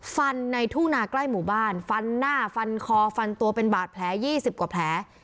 ฟันในทุ่งนาใกล้หมู่บ้านฟันหน้าฟันคอฟันตัวเป็นบาดแผล๒๐กว่าแผล